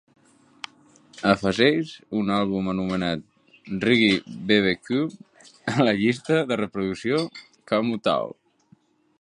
afegeix un àlbum anomenat Reggae BBQ a la llista de reproducció Camu Tao